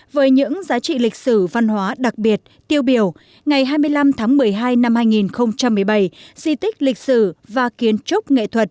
với những giá trị lịch sử văn hóa đặc biệt tiêu biểu ngày hai mươi năm tháng một mươi hai năm hai nghìn một mươi bảy di tích lịch sử và kiến trúc nghệ thuật